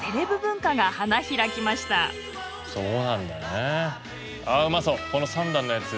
そうなんだね。